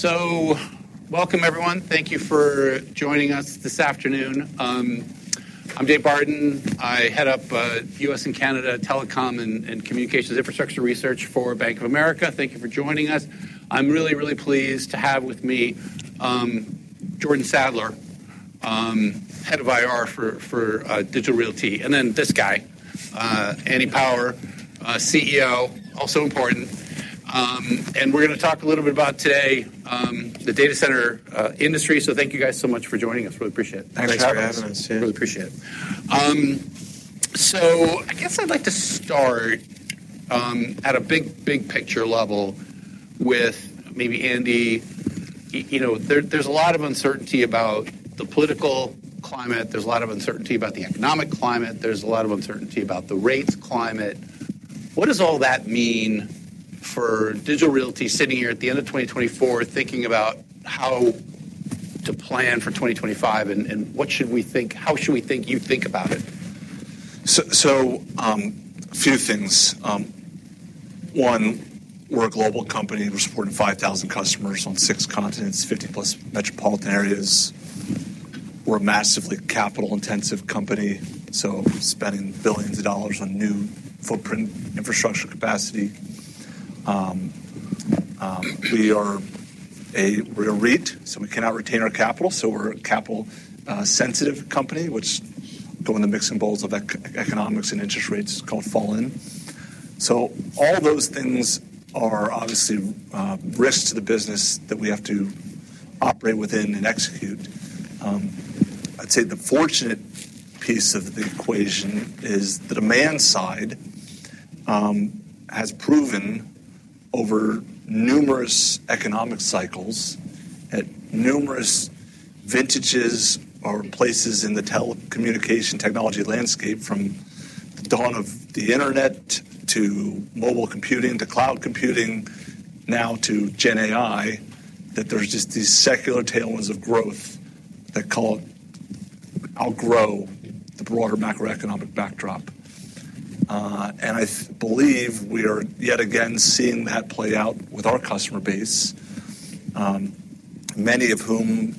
So welcome, everyone. Thank you for joining us this afternoon. I'm Dave Barden. I head up U.S. and Canada Telecom and Communications Infrastructure Research for Bank of America. Thank you for joining us. I'm really, really pleased to have with me Jordan Sadler, head of IR for Digital Realty, and then this guy Andy Power, CEO, also important. And we're gonna talk a little bit about today the data center industry. So thank you guys so much for joining us. Really appreciate it. Thanks for having us. Thanks for having us too. Really appreciate it. So I guess I'd like to start at a big, big picture level with maybe Andy. You know, there, there's a lot of uncertainty about the political climate. There's a lot of uncertainty about the economic climate. There's a lot of uncertainty about the rates climate. What does all that mean for Digital Realty sitting here at the end of twenty twenty-four, thinking about how to plan for twenty twenty-five, and what should we think? How should we think you think about it? A few things. One, we're a global company, and we're supporting five thousand customers on six continents, fifty-plus metropolitan areas. We're a massively capital-intensive company, so we're spending billions of dollars on new footprint infrastructure capacity. We are a real REIT, so we cannot retain our capital, so we're a capital sensitive company, which go in the mixing bowls of economics and interest rates can fall in. All those things are obviously risks to the business that we have to operate within and execute. I'd say the fortunate piece of the equation is the demand side has proven over numerous economic cycles, at numerous vintages or places in the telecommunication technology landscape, from the dawn of the internet to mobile computing, to cloud computing, now to Gen AI, that there's just these secular tailwinds of growth that can outgrow the broader macroeconomic backdrop. And I believe we are yet again seeing that play out with our customer base, many of whom,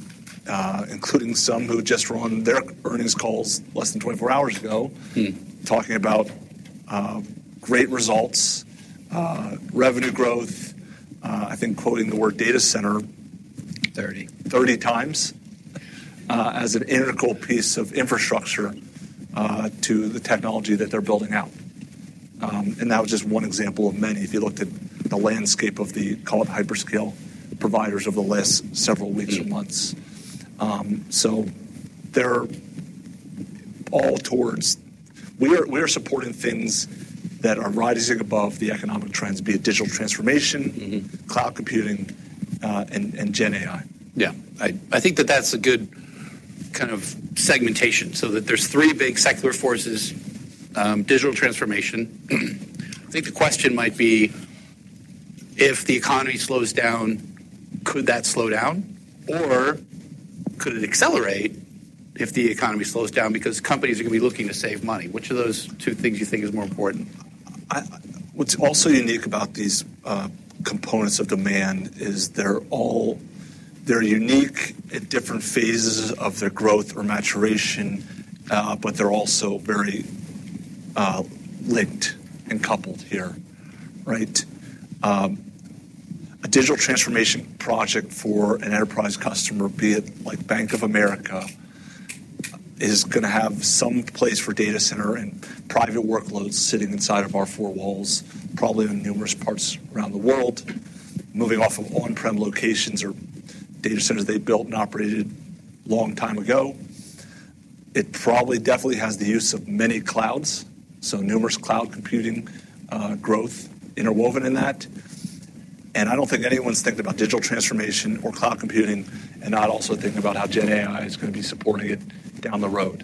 including some who just were on their earnings calls less than twenty-four hours ago- Mm. - talking about, great results, revenue growth, I think quoting the word data center- Thirty... 30 times as an integral piece of infrastructure to the technology that they're building out. And that was just one example of many. If you looked at the landscape of the, call it hyperscale, providers over the last several weeks or months. Mm. So they're all towards... We are supporting things that are rising above the economic trends, be it digital transformation- Mm-hmm. cloud computing, and Gen AI. Yeah, I, I think that that's a good kind of segmentation, so that there's three big secular forces, digital transformation. I think the question might be, if the economy slows down, could that slow down, or could it accelerate if the economy slows down? Because companies are gonna be looking to save money. Which of those two things you think is more important? What's also unique about these components of demand is they're unique at different phases of their growth or maturation, but they're also very linked and coupled here, right? A digital transformation project for an enterprise customer, be it like Bank of America, is gonna have some place for data center and private workloads sitting inside of our four walls, probably in numerous parts around the world, moving off of on-prem locations or data centers they built and operated long time ago. It probably definitely has the use of many clouds, so numerous cloud computing growth interwoven in that, and I don't think anyone's thinking about digital transformation or cloud computing, and not also thinking about how Gen AI is gonna be supporting it down the road.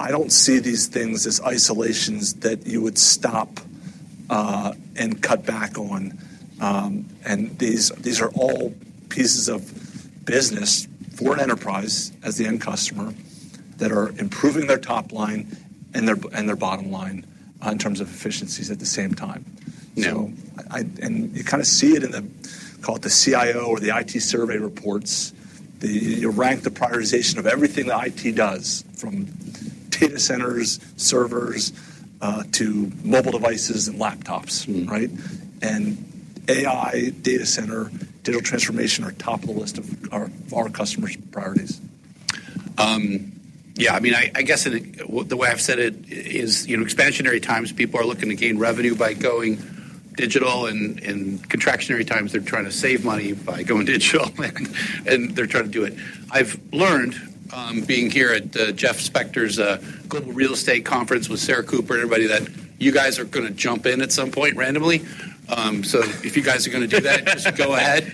I don't see these things as isolations that you would stop and cut back on. These are all pieces of business for an enterprise as the end customer that are improving their top line and their bottom line in terms of efficiencies at the same time. Yeah. You kinda see it in the, call it, CIO or IT survey reports. They rank the prioritization of everything that IT does, from data centers, servers, to mobile devices and laptops. Mm. Right? And AI, data center, digital transformation are top of the list of our customers' priorities. Yeah, I mean, I guess in the way I've said it is, you know, expansionary times, people are looking to gain revenue by going digital, and contractionary times, they're trying to save money by going digital, and they're trying to do it. I've learned, being here at Jeff Spector's Global Real Estate Conference with Sarah Cooper and everybody, that you guys are gonna jump in at some point randomly. So if you guys are gonna do that, just go ahead.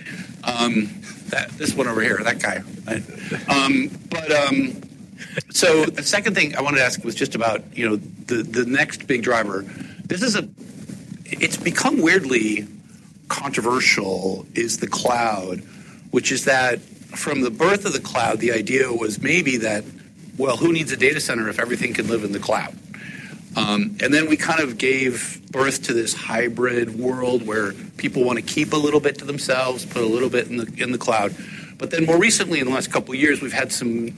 This one over here, that guy. But so the second thing I wanted to ask was just about, you know, the next big driver. It's become weirdly controversial, is the cloud, which is that from the birth of the cloud, the idea was maybe that: "Well, who needs a data center if everything can live in the cloud?" And then we kind of gave birth to this hybrid world where people want to keep a little bit to themselves, put a little bit in the cloud. But then more recently, in the last couple of years, we've had some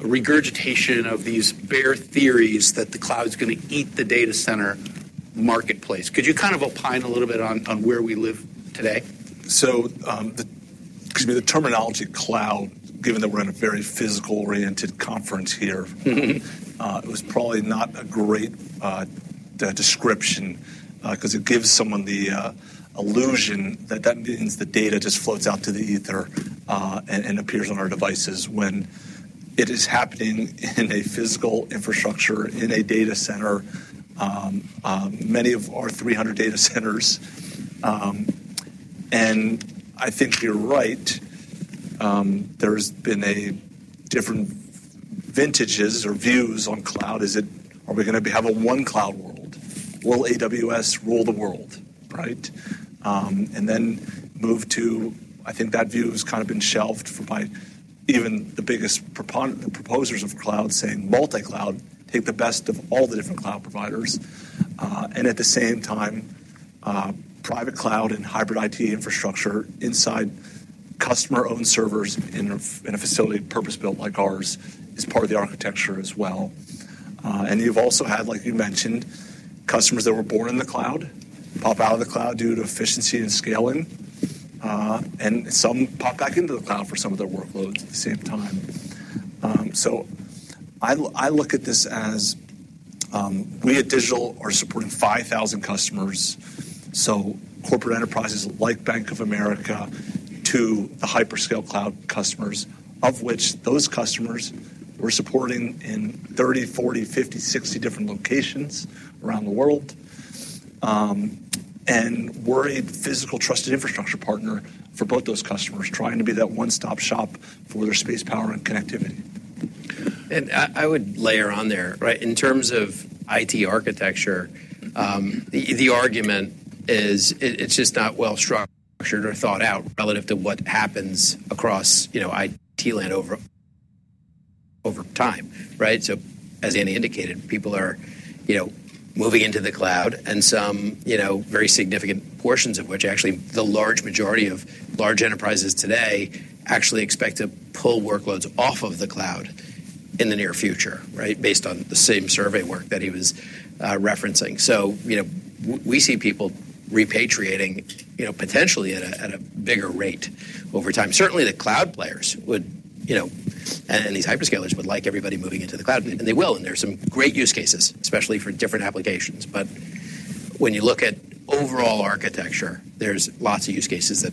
regurgitation of these bare theories that the cloud is going to eat the data center marketplace. Could you kind of opine a little bit on where we live today? Excuse me, the terminology cloud, given that we're in a very physical-oriented conference here. Mm-hmm. It was probably not a great description 'cause it gives someone the illusion that that means the data just floats out to the ether, and appears on our devices when it is happening in a physical infrastructure, in a data center, many of our 300 data centers. And I think you're right. There's been different vintages or views on cloud. Are we gonna have a one cloud world? Will AWS rule the world, right? And then move to... I think that view has kind of been shelved by even the biggest the proposers of cloud, saying multi-cloud, take the best of all the different cloud providers. At the same time, private cloud and hybrid IT infrastructure inside customer-owned servers in a facility purpose-built like ours is part of the architecture as well. You've also had, like you mentioned, customers that were born in the cloud, pop out of the cloud due to efficiency and scaling, and some pop back into the cloud for some of their workloads at the same time. So I look at this as we at Digital are supporting 5,000 customers, so corporate enterprises like Bank of America to the hyperscale cloud customers, of which those customers we're supporting in 30, 40, 50, 60 different locations around the world. And we're a physical, trusted infrastructure partner for both those customers, trying to be that one-stop shop for their space, power, and connectivity. I would layer on there, right? In terms of IT architecture, the argument is it's just not well-structured or thought out relative to what happens across, you know, IT landscape over time, right? So as Andy indicated, people are, you know, moving into the cloud, and some, you know, very significant portions of which actually the large majority of large enterprises today actually expect to pull workloads off of the cloud in the near future, right? Based on the same survey work that he was referencing. So, you know, we see people repatriating, you know, potentially at a bigger rate over time. Certainly, the cloud players would, you know, and these hyperscalers would like everybody moving into the cloud, and they will, and there are some great use cases, especially for different applications. But when you look at overall architecture, there's lots of use cases that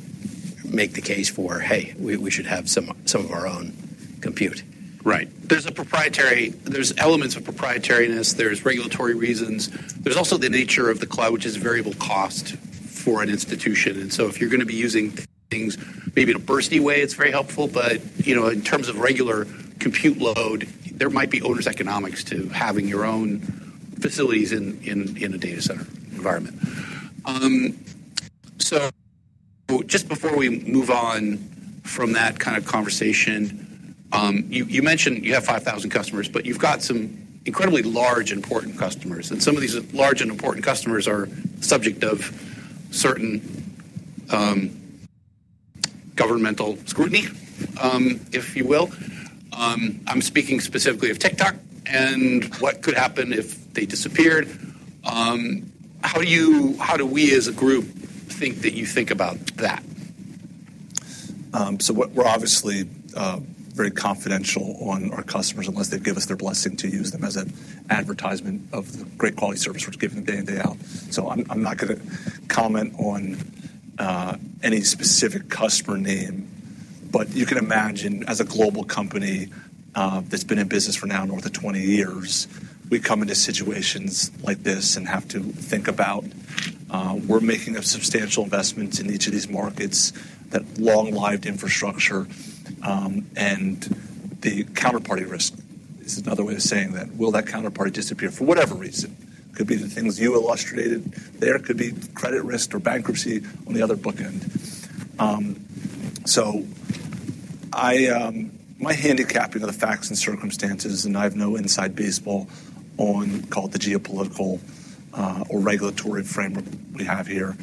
make the case for, "Hey, we should have some of our own compute. Right. There's a proprietary. There's elements of proprietariness, there's regulatory reasons. There's also the nature of the cloud, which is variable cost for an institution. And so if you're going to be using things maybe in a bursty way, it's very helpful, but, you know, in terms of regular compute load, there might be owners' economics to having your own facilities in a data center environment. So just before we move on from that kind of conversation, you mentioned you have 5,000 customers, but you've got some incredibly large, important customers, and some of these large and important customers are the subject of certain governmental scrutiny, if you will. I'm speaking specifically of TikTok and what could happen if they disappeared. How do we, as a group, think that you think about that? So we're obviously very confidential on our customers unless they give us their blessing to use them as an advertisement of the great quality service we're giving day in, day out. So I'm not gonna comment on any specific customer name, but you can imagine, as a global company, that's been in business for now north of twenty years, we come into situations like this and have to think about, we're making a substantial investment in each of these markets, that long-lived infrastructure, and the counterparty risk. This is another way of saying that. Will that counterparty disappear for whatever reason? Could be the things you illustrated there, could be credit risk or bankruptcy on the other bookend. So I, my handicapping of the facts and circumstances, and I have no inside baseball on, call it the geopolitical, or regulatory framework we have here,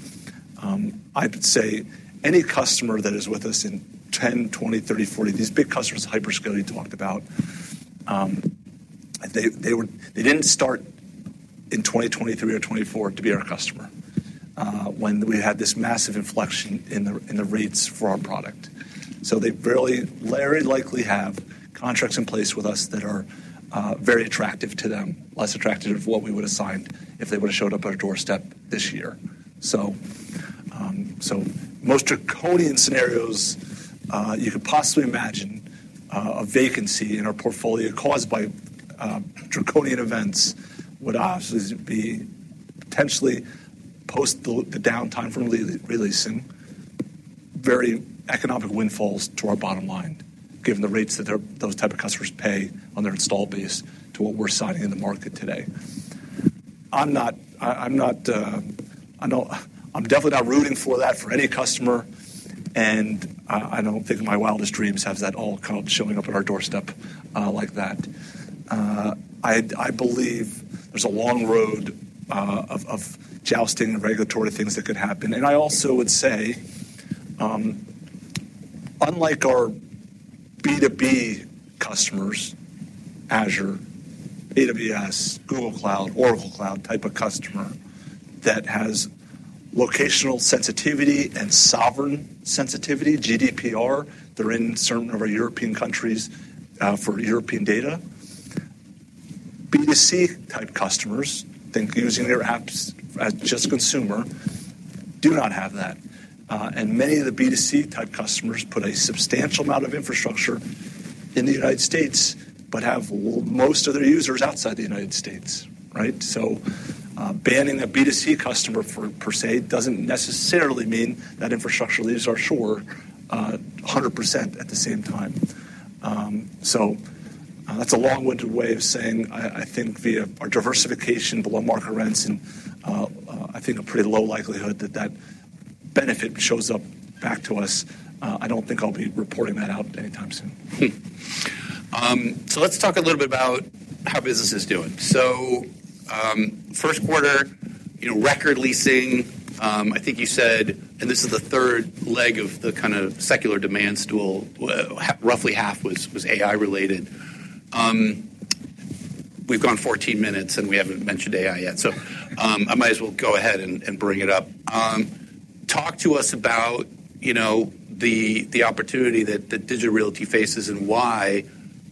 I would say any customer that is with us in 10, 20, 30, 40, these big customers, hyperscaler you talked about, they didn't start in 2023 or 2024 to be our customer, when we had this massive inflection in the rates for our product. So they very, very likely have contracts in place with us that are, very attractive to them, less attractive of what we would have signed if they would have showed up at our doorstep this year. Most draconian scenarios you could possibly imagine, a vacancy in our portfolio caused by draconian events would obviously be potentially post the downtime from re-leasing very economic windfalls to our bottom line, given the rates that those type of customers pay on their installed base to what we're signing in the market today. I'm not, I know, I'm definitely not rooting for that for any customer, and I don't think in my wildest dreams has that all kind of showing up at our doorstep, like that. I believe there's a long road of jousting and regulatory things that could happen. I also would say, unlike our B2B customers, Azure, AWS, Google Cloud, Oracle Cloud type of customer, that has locational sensitivity and sovereign sensitivity, GDPR, they're in certain of our European countries, for European data. B2C type customers, think using their apps as just consumer, do not have that. Many of the B2C type customers put a substantial amount of infrastructure in the United States, but have most of their users outside the United States, right? Banning a B2C customer per se doesn't necessarily mean that infrastructure leaves our shore 100% at the same time. That's a long-winded way of saying I think via our diversification below market rents and I think a pretty low likelihood that that benefit shows up back to us. I don't think I'll be reporting that out anytime soon. Let's talk a little bit about how business is doing. First quarter, you know, record leasing, I think you said, and this is the third leg of the kind of secular demand stool. Roughly half was AI related. We've gone 14 minutes, and we haven't mentioned AI yet, so I might as well go ahead and bring it up. Talk to us about, you know, the opportunity that Digital Realty faces, and why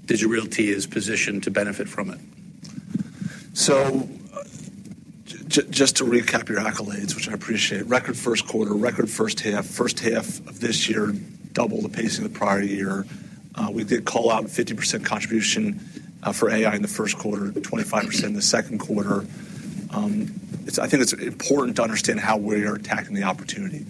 Digital Realty is positioned to benefit from it. So just to recap your accolades, which I appreciate, record first quarter, record first half. First half of this year, double the pace of the prior year. We did call out a 50% contribution for AI in the first quarter, 25% in the second quarter. It's important to understand how we are attacking the opportunity.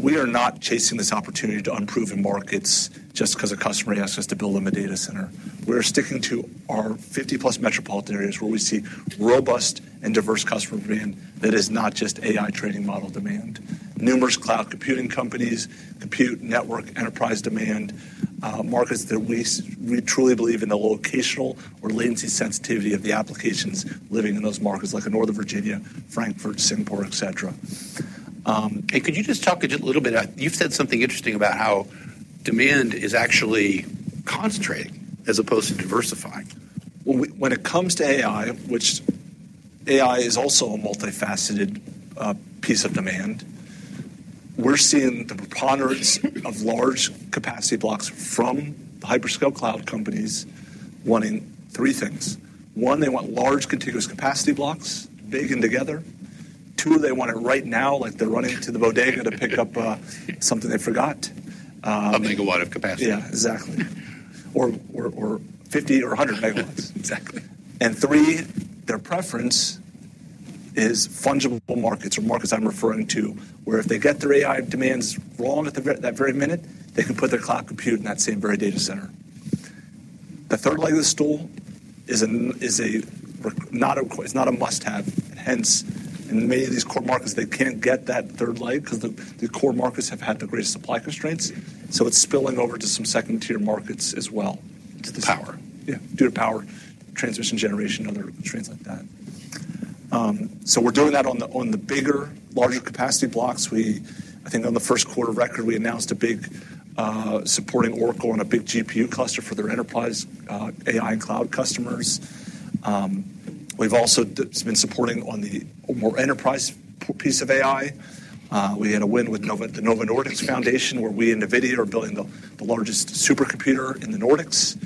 We are not chasing this opportunity to unproven markets just 'cause a customer asked us to build them a data center. We're sticking to our 50-plus metropolitan areas where we see robust and diverse customer demand that is not just AI training model demand. Numerous cloud computing companies, compute, network, enterprise demand, markets that we truly believe in the locational or latency sensitivity of the applications living in those markets, like in Northern Virginia, Frankfurt, Singapore, et cetera. And could you just talk a little bit about... You've said something interesting about how demand is actually concentrating as opposed to diversifying? When it comes to AI, which AI is also a multifaceted piece of demand, we're seeing the preponderance of large capacity blocks from the hyperscale cloud companies wanting three things. One, they want large, contiguous capacity blocks, big and together. Two, they want it right now, like they're running to the bodega to pick up something they forgot. A megawatt of capacity. Yeah, exactly. Or 50 or 100 megawatts. Exactly. And three, their preference is fungible markets or markets I'm referring to, where if they get their AI demands wrong at that very minute, they can put their cloud compute in that same very data center. The third leg of the stool is a requirement, not a must-have, hence, in many of these core markets, they can't get that third leg because the core markets have had the greatest supply constraints, so it's spilling over to some second-tier markets as well. To the power? Yeah, due to power transmission, generation, other trends like that. So we're doing that on the bigger, larger capacity blocks. I think on the first quarter record, we announced a big supporting Oracle on a big GPU cluster for their enterprise AI cloud customers. We've also been supporting on the more enterprise piece of AI. We had a win with the Novo Nordisk Foundation, where we and NVIDIA are building the largest supercomputer in the Nordics.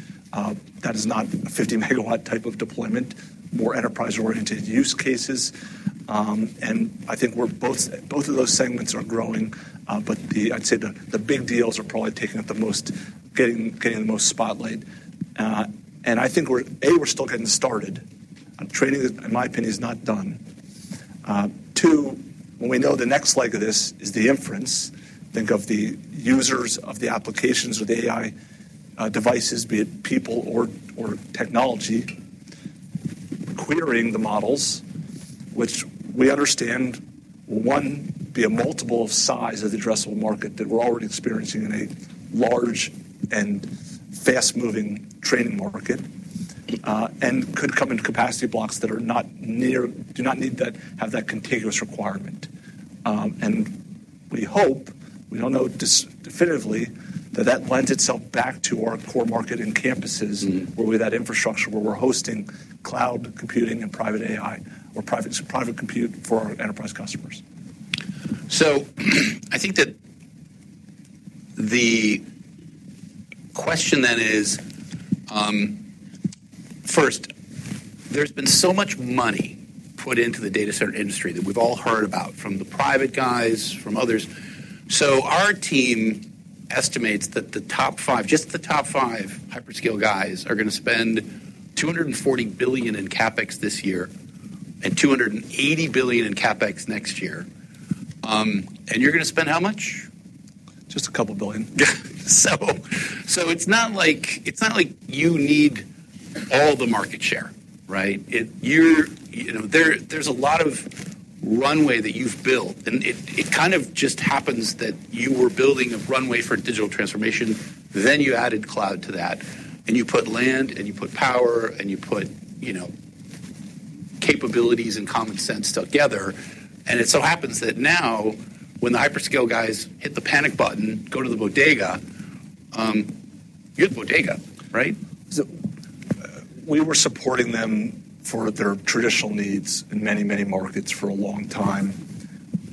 That is not a fifty-megawatt type of deployment, more enterprise-oriented use cases. And I think both of those segments are growing, but the big deals are probably taking up the most spotlight. And I think we're still getting started. Training, in my opinion, is not done. Two, when we know the next leg of this is the inference, think of the users of the applications with AI, devices, be it people or technology, querying the models, which we understand, one, be a multiple of size of the addressable market that we're already experiencing in a large and fast-moving training market, and could come in capacity blocks that do not need that, have that contiguous requirement, and we hope, we don't know definitively, that that lends itself back to our core market and campuses- Mm-hmm. where we have that infrastructure, where we're hosting cloud computing and private AI or private compute for our enterprise customers. I think that the question then is, first, there's been so much money put into the data center industry that we've all heard about, from the private guys, from others. Our team estimates that the top five, just the top five hyperscale guys, are gonna spend $240 billion in CapEx this year, and $280 billion in CapEx next year. And you're gonna spend how much? Just a couple billion. So it's not like, it's not like you need all the market share, right? You know, there, there's a lot of runway that you've built, and it kind of just happens that you were building a runway for digital transformation, then you added cloud to that, and you put land, and you put power, and you put, you know, capabilities and common sense together. And it so happens that now, when the hyperscale guys hit the panic button, go to the bodega, you're the bodega, right? So- We were supporting them for their traditional needs in many, many markets for a long time.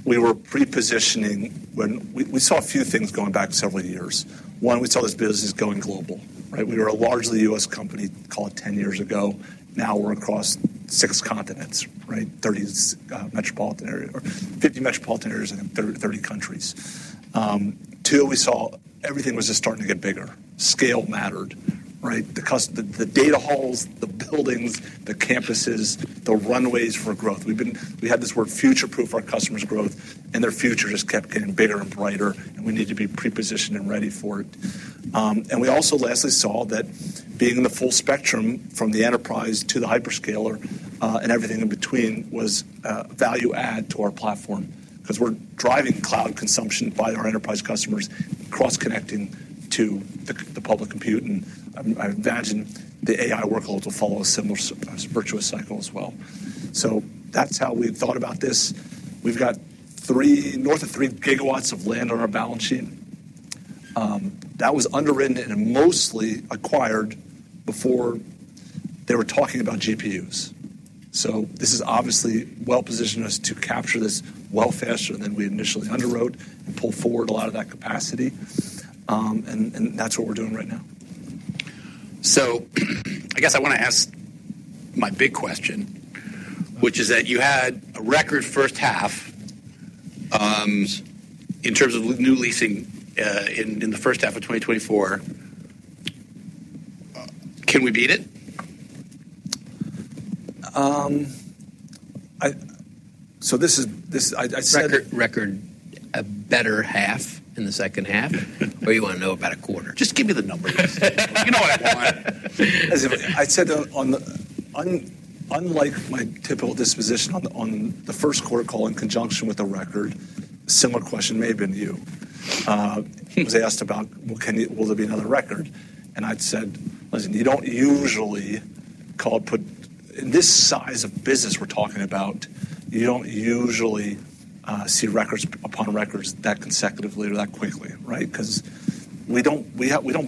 We were pre-positioning when we saw a few things going back several years. One, we saw this business going global, right? We were a largely U.S. company, call it 10 years ago. Now we're across six continents, right? 30 metropolitan area or 50 metropolitan areas and 30 countries. Two, we saw everything was just starting to get bigger. Scale mattered, right? The data halls, the buildings, the campuses, the runways for growth. We had this word future-proof our customers' growth, and their future just kept getting bigger and brighter, and we need to be pre-positioned and ready for it. And we also lastly saw that being in the full spectrum, from the enterprise to the hyperscaler, and everything in between, was value add to our platform because we're driving cloud consumption by our enterprise customers, cross-connecting to the public compute, and I imagine the AI workload will follow a similar virtuous cycle as well. So that's how we've thought about this. We've got north of three gigawatts of land on our balance sheet. That was underwritten and mostly acquired before they were talking about GPUs. So this is obviously well-positioned us to capture this well faster than we initially underwrote and pulled forward a lot of that capacity. And that's what we're doing right now. So I guess I wanna ask my big question, which is that you had a record first half in terms of new leasing in the first half of twenty twenty-four. Can we beat it? So this is, this I said- Record a better half in the second half? Or you wanna know about a quarter? Just give me the numbers. You know what I want. As I said, unlike my typical disposition on the first quarter call in conjunction with the record, similar question may have been put to you. I was asked about, well, will there be another record? And I'd said, "Listen, you don't usually get. In this size of business we're talking about, you don't usually see records upon records that consecutively or that quickly, right? Because we don't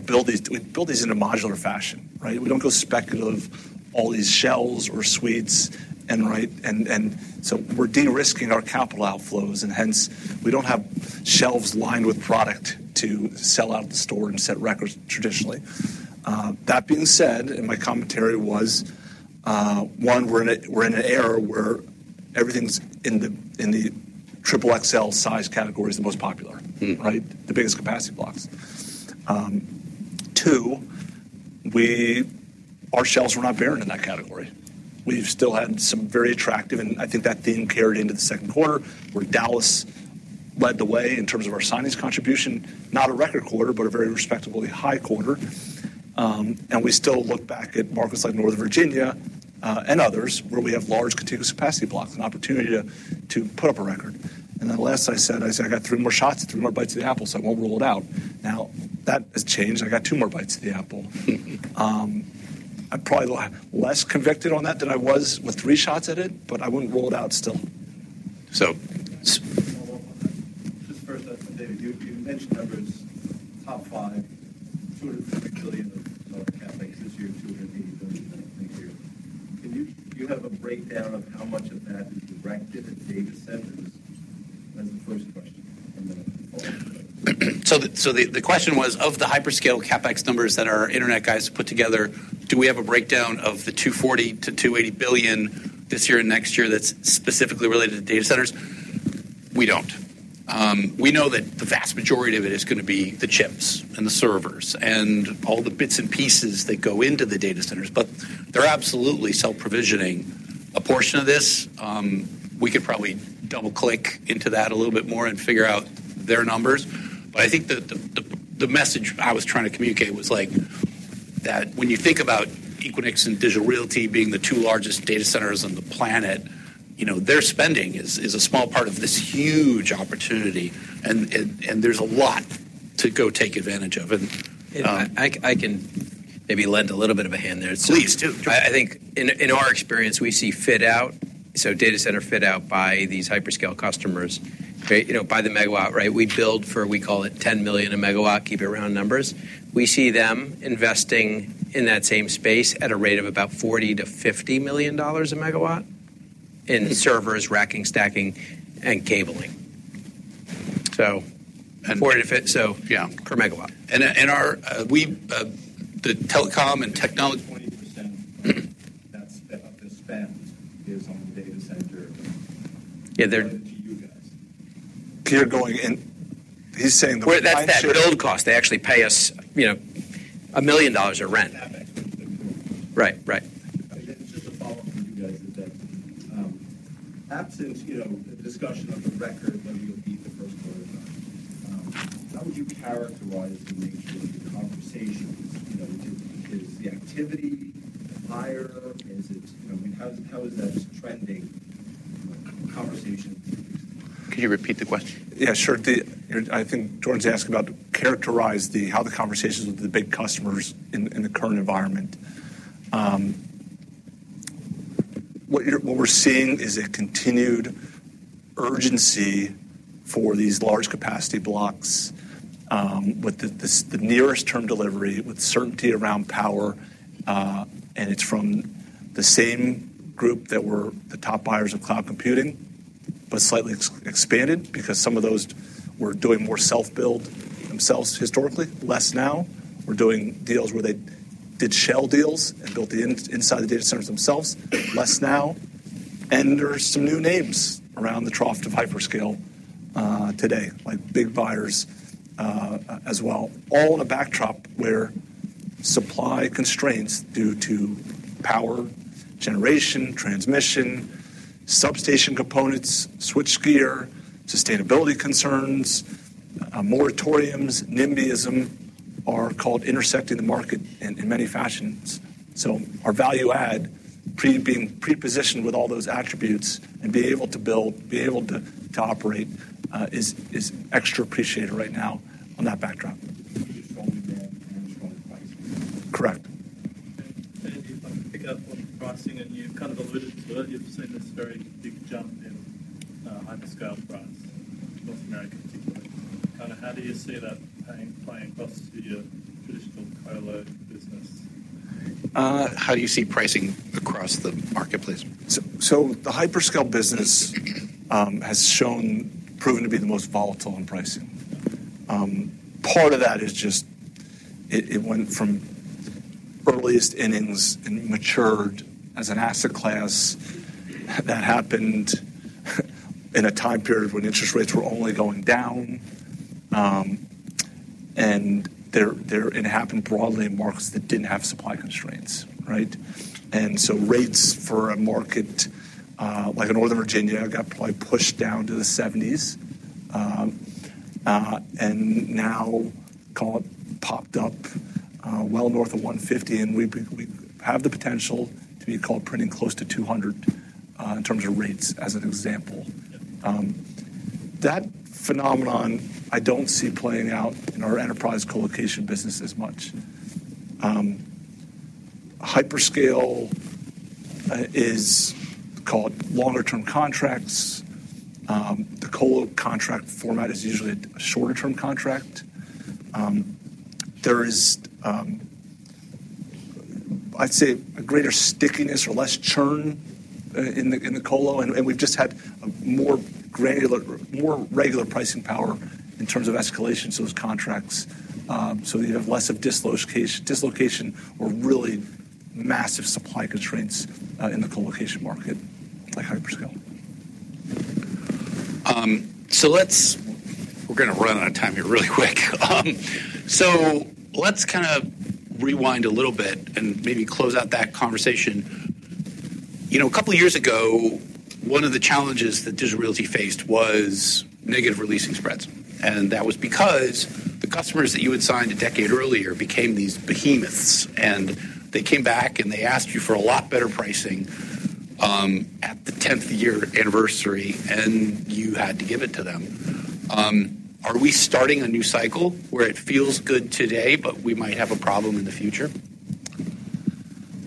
build these. We build these in a modular fashion, right? We don't go speculative all these shelves or suites and right. And so we're de-risking our capital outflows, and hence, we don't have shelves lined with product to sell out of the store and set records traditionally. That being said, and my commentary was, one, we're in an era where everything's in the triple XL size category is the most popular- Mm. Right? The biggest capacity blocks. Two, our shelves were not barren in that category. We've still had some very attractive, and I think that theme carried into the second quarter, where Dallas led the way in terms of our signings contribution. Not a record quarter, but a very respectably high quarter. And we still look back at markets like Northern Virginia and others, where we have large continuous capacity blocks, an opportunity to put up a record. And then I said, "I got three more shots, three more bites at the apple, so I won't rule it out." Now, that has changed. I got two more bites at the apple. I'm probably less convicted on that than I was with three shots at it, but I wouldn't rule it out still. So- First, Dave, you mentioned numbers, top five, $2 billion-$3 billion of our CapEx this year, $280 billion next year. Do you have a breakdown of how much of that is directed at data centers? That's the first question, and then- The question was, of the hyperscale CapEx numbers that our internet guys put together, do we have a breakdown of the $240 billion-$280 billion this year and next year that's specifically related to data centers? We don't. We know that the vast majority of it is gonna be the chips and the servers and all the bits and pieces that go into the data centers, but they're absolutely self-provisioning a portion of this. We could probably double-click into that a little bit more and figure out their numbers. But I think the message I was trying to communicate was, like, that when you think about Equinix and Digital Realty being the two largest data centers on the planet, you know, their spending is a small part of this huge opportunity, and there's a lot to go take advantage of it. And I can maybe lend a little bit of a hand there. Please do. I think in our experience, we see fit out, so data center fit out by these hyperscale customers, right? You know, by the megawatt, right? We build for, we call it $10 million a megawatt, keep it round numbers. We see them investing in that same space at a rate of about $40 million-$50 million a megawatt in servers, racking, stacking, and cabling. So- For it to fit, so yeah, per megawatt. our telecom and technology- 20% of that spend is on the data center. Yeah, they're- To you guys. You're going in... He's saying the- With that build cost, they actually pay us, you know, $1 million of rent. CapEx. Right. Right. ... absence, you know, the discussion of the record, whether you'll beat the first quarter or not, how would you characterize the nature of the conversations? You know, is the activity higher? Is it I mean, how is that trending, you know, in conversations? Can you repeat the question? Yeah, sure. I think Jordan's asking about how to characterize the conversations with the big customers in the current environment. What we're seeing is a continued urgency for these large capacity blocks with the nearest term delivery, with certainty around power, and it's from the same group that were the top buyers of cloud computing, but slightly expanded because some of those were doing more self-build themselves historically, less now. We're doing deals where they did shell deals and built inside the data centers themselves, less now. And there are some new names around the top of hyperscale today, like big buyers, as well. All in a backdrop where supply constraints due to power generation, transmission, substation components, switch gear, sustainability concerns, moratoriums, NIMBYism are all intersecting the market in many fashions. So our value add being pre-positioned with all those attributes and be able to build, to operate, is extra appreciated right now on that backdrop. Strong demand and strong pricing. Correct. And if I pick up on pricing, and you kind of alluded to it, you've seen this very big jump in hyperscale price, North America particularly. Kinda how do you see that playing across to your traditional colo business? How do you see pricing across the marketplace? So the hyperscale business has shown proven to be the most volatile in pricing. Part of that is just it went from earliest innings and matured as an asset class. That happened in a time period when interest rates were only going down, and there it happened broadly in markets that didn't have supply constraints, right? And so rates for a market like in Northern Virginia got probably pushed down to the seventies, and now call it popped up well north of one fifty, and we have the potential to be called printing close to two hundred in terms of rates, as an example. That phenomenon I don't see playing out in our enterprise colocation business as much. Hyperscale is called longer term contracts. The colo contract format is usually a shorter term contract. There is, I'd say, a greater stickiness or less churn in the colo, and we've just had a more granular, more regular pricing power in terms of escalation, so as contracts. So you have less of dislocation or really massive supply constraints in the colocation market, like hyperscale. So, we're gonna run out of time here really quick. So, let's kind of rewind a little bit and maybe close out that conversation. You know, a couple of years ago, one of the challenges that Digital Realty faced was negative releasing spreads, and that was because the customers that you had signed a decade earlier became these behemoths, and they came back, and they asked you for a lot better pricing at the tenth-year anniversary, and you had to give it to them. Are we starting a new cycle where it feels good today, but we might have a problem in the future?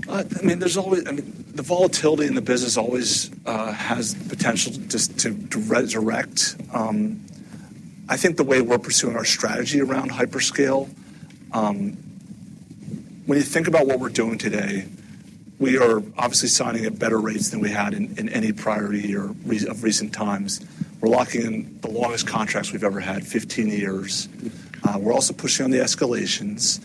I mean, there's always... I mean, the volatility in the business always has the potential to resurrect. I think the way we're pursuing our strategy around hyperscale, when you think about what we're doing today, we are obviously signing at better rates than we had in any prior year of recent times. We're locking in the longest contracts we've ever had, 15 years. We're also pushing on the escalations.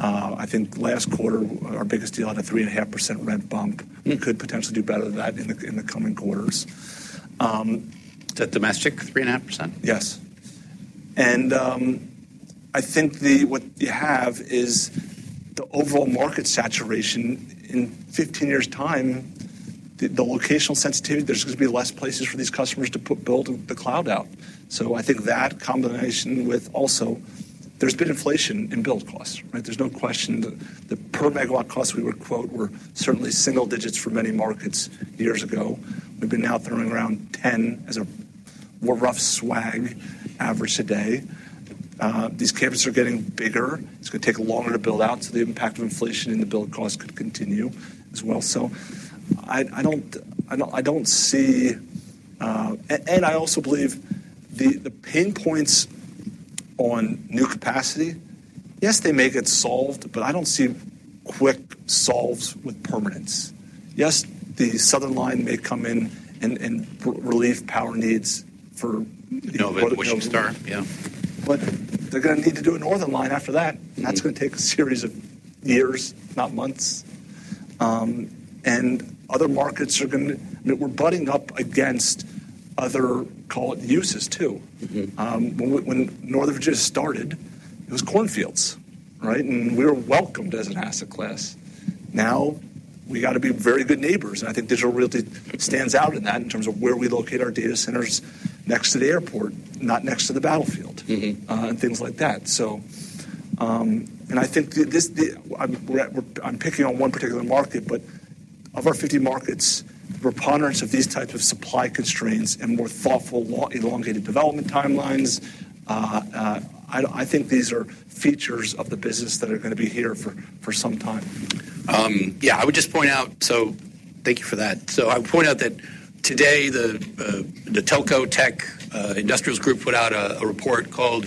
I think last quarter, our biggest deal had a 3.5% rent bump. We could potentially do better than that in the coming quarters. Is that domestic, 3.5%? Yes. I think what you have is the overall market saturation in 15 years' time, the locational sensitivity. There's going to be fewer places for these customers to put build the cloud out. So I think that combination with also. There's been inflation in build costs, right? There's no question that the per megawatt costs we would quote were certainly single digits for many markets years ago. We've been now throwing around 10 as a more rough swag average today. These campuses are getting bigger. It's gonna take longer to build out, so the impact of inflation in the build costs could continue as well. So I don't see. I also believe the pain points on new capacity. Yes, they may get solved, but I don't see quick solves with permanence. Yes, the southern line may come in and relieve power needs for- NOVEC, Western Star. Yeah. But they're gonna need to do a northern line after that, and that's gonna take a series of years, not months, and other markets are gonna, we're butting up against other colo uses, too. Mm-hmm. When Northern Virginia started, it was cornfields, right, and we were welcomed as an asset class. Now, we got to be very good neighbors, and I think Digital Realty stands out in that in terms of where we locate our data centers next to the airport, not next to the battlefield. Mm-hmm. and things like that. So, and I think this. I'm picking on one particular market, but of our 50 markets, the preponderance of these types of supply constraints and more thoughtful, long, elongated development timelines. I think these are features of the business that are going to be here for some time. Yeah, I would just point out, so thank you for that. So I would point out that today, the Telco Tech, Industrials Group put out a report called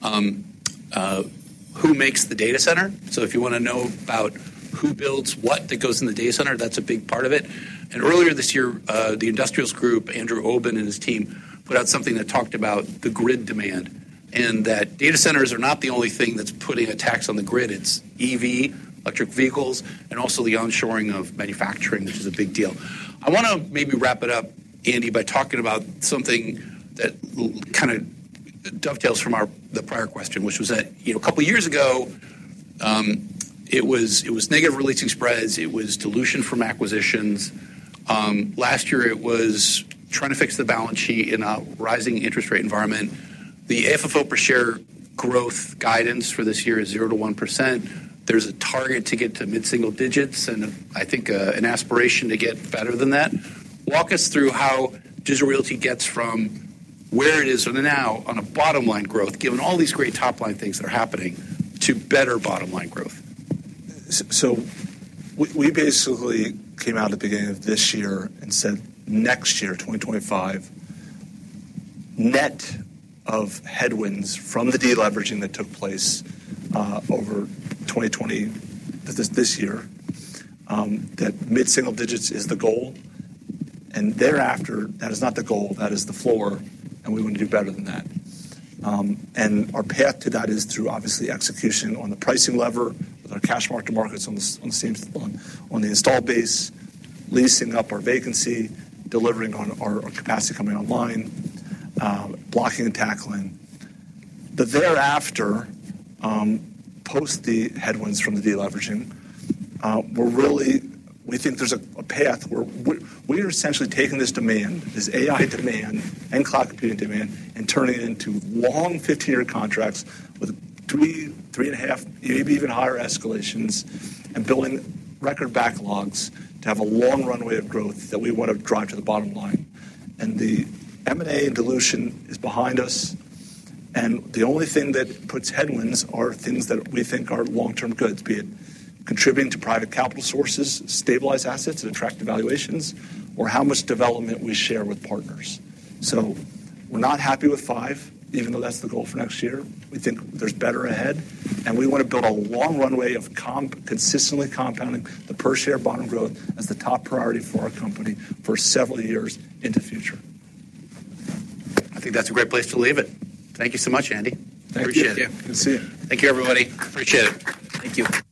Who Makes the Data Center? So if you want to know about who builds what that goes in the data center, that's a big part of it. And earlier this year, the Industrials Group, Andrew Obin and his team, put out something that talked about the grid demand, and that data centers are not the only thing that's putting a tax on the grid. It's EV, electric vehicles, and also the onshoring of manufacturing, which is a big deal. I want to maybe wrap it up, Andy, by talking about something that kind of dovetails from our, the prior question, which was that, you know, a couple of years ago, it was negative releasing spreads. It was dilution from acquisitions. Last year, it was trying to fix the balance sheet in a rising interest rate environment. The FFO per share growth guidance for this year is 0%-1%. There's a target to get to mid-single digits, and I think an aspiration to get better than that. Walk us through how Digital Realty gets from where it is from now on a bottom-line growth, given all these great top-line things that are happening, to better bottom-line growth. So we basically came out at the beginning of this year and said, "Next year, twenty twenty-five, net of headwinds from the deleveraging that took place over twenty twenty, this year, that mid-single digits is the goal, and thereafter, that is not the goal, that is the floor, and we want to do better than that." And our path to that is through obviously execution on the pricing lever, with our cash mark-to-markets on the install base, leasing up our vacancy, delivering on our capacity coming online, blocking and tackling. Thereafter, post the headwinds from the deleveraging, we're really. We think there's a path where we're essentially taking this demand, this AI demand and cloud computing demand, and turning it into long 15-year contracts with three, three and a half, maybe even higher escalations, and building record backlogs to have a long runway of growth that we want to drive to the bottom line. And the M&A dilution is behind us, and the only thing that puts headwinds are things that we think are long-term goods, be it contributing to private capital sources, stabilize assets and attract evaluations, or how much development we share with partners. So we're not happy with five, even though that's the goal for next year. We think there's better ahead, and we want to build a long runway of comp, consistently compounding the per-share bottom growth as the top priority for our company for several years in the future. I think that's a great place to leave it. Thank you so much, Andy. Thank you. Appreciate it. Good to see you. Thank you, everybody. Appreciate it. Thank you.